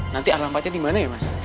nanti alam pacar dimana ya mas